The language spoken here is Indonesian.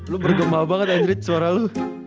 lu bergembal banget suara lu